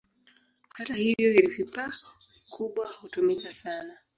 Hata hivyo, herufi "P" kubwa hutumika sana.